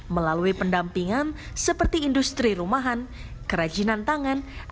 melalui pendampingan seperti industri rumahan kerajinan tangan